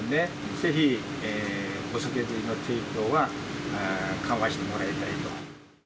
ぜひ、お酒類の提供は緩和してもらいたいと。